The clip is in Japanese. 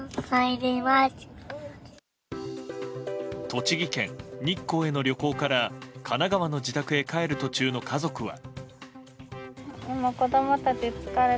栃木県日光への旅行から神奈川の自宅へ帰る途中の家族は。